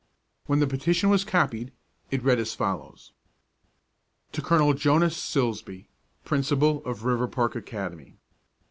When the petition was copied, it read as follows: TO COL. JONAS SILSBEE, Principal of Riverpark Academy.